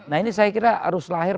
nah ini saya kira harus lahir